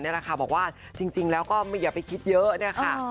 บอกว่าจริงแล้วก็อย่าไปคิดเยอะเนี่ยค่ะ